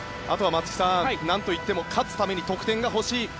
あとは松木さん何といっても勝つために、得点が欲しい。